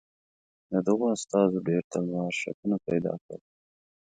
د دغو استازو ډېر تلوار شکونه پیدا کړل.